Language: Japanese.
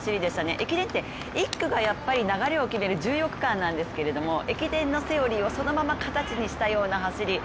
駅伝って１区が流れを決める重要区間なんですけど駅伝のセオリーをそのまま形にしたような走り。